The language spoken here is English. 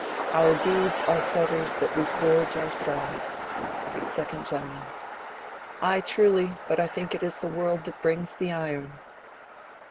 Our deeds are fetters that we forge ourselves. 2_d Gent._ Ay, truly: but I think it is the world That brings the iron.